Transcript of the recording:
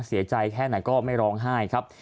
เสียใจแค่ไหนก็ไม่ร้องไห้ครับ